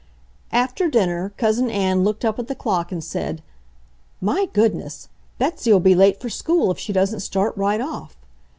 After dinner Cousin Ann looked up at the clock and said: "My goodness! Betsy'll be late for school if she doesn't start right off."